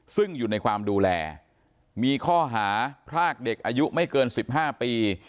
ซึ่งอยู่ในความดูแลมีข้อหาพรากเด็กอายุไม่เกิน๑๕ปี